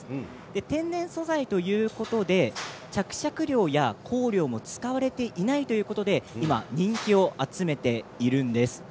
天然素材ということで、着色料や香料も使われていないということで人気を集めています。